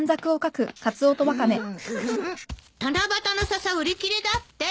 七夕のササ売り切れだって。